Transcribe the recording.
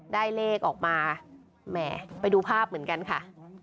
ได้เลขออกมาแหมไปดูภาพเหมือนกันค่ะ